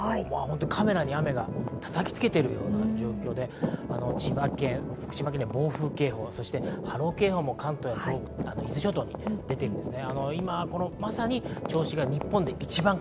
カメラに雨がたたきつけているような感じで千葉県、福島県には暴風警報、波浪警報も千葉・茨城・伊豆諸島に出ていますね。